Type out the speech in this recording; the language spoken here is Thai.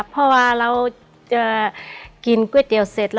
เพราะว่าเราจะกินก๋วยเตี๋ยวเสร็จ